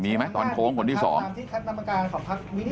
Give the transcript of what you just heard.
มีไหมตอนโค้งคนที่สอง